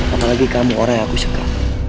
apalagi kamu orang yang aku suka